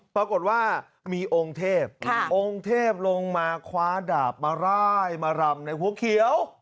ปรากฏว่ามีองค์เทพองค์เทพลงมาคว้าดาบมาร่ายมารำในหัวเขียว